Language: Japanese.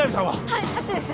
はいあっちです